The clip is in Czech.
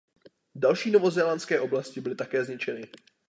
Další novozélandské oblasti byly také zničeny.